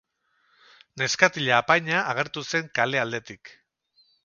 Neskatila apaina agertu zen kale aldetik.